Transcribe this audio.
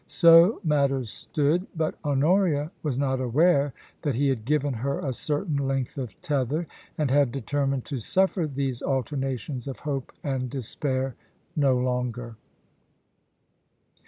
So matters stood, but Honoria was not aware that he had given her a certain length of tether, and had determined to suffer these alternations of hope and despair no longer.